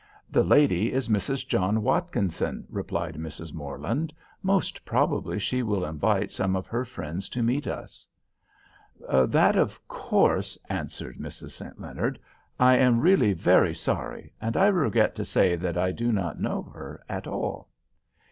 "The lady is Mrs. John Watkinson"—replied Mrs. Morland—"most probably she will invite some of her friends to meet us." "That of course"—answered Mrs. St. Leonard—"I am really very sorry—and I regret to say that I do not know her at all."